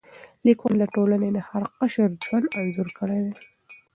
لیکوال د ټولنې د هر قشر ژوند انځور کړی دی.